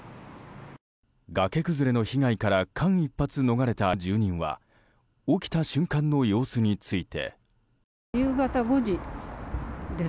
崖崩れの被害から間一髪逃れた住人は起きた瞬間の様子について。